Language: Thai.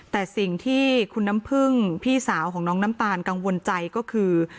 แต่สิ่งที่คุณน้ำพึ่งพี่สาวของน้องน้ำตาลกังวลใจก็คือ